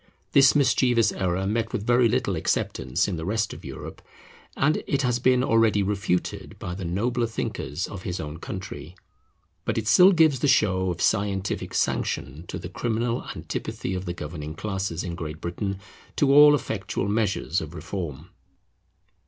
This mischievous error met with very little acceptance in the rest of Europe, and it has been already refuted by the nobler thinkers of his own country; but it still gives the show of scientific sanction to the criminal antipathy of the governing classes in Great Britain to all effectual measures of reform.